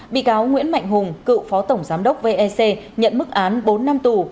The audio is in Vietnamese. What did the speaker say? bị cáo nguyễn mạnh hùng cựu phó tổng giám đốc vec nhận mức án bốn năm tù